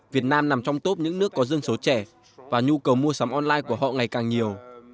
việt nam nằm trong top những nước có dân số trẻ và nhu cầu mua sắm online của họ ngày càng nhiều